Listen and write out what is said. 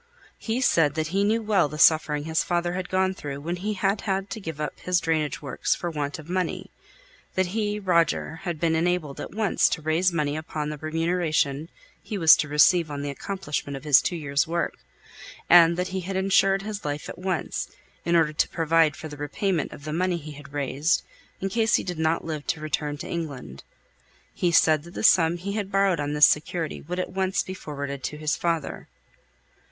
He said that he knew well the suffering his father had gone through when he had had to give up his drainage works for want of money; that he, Roger, had been enabled at once to raise money upon the remuneration he was to receive on the accomplishment of his two years' work; and that he had also insured his life, in order to provide for the repayment of the money he had raised, in case he did not live to return to England. He said that the sum he had borrowed on this security would at once be forwarded to his father.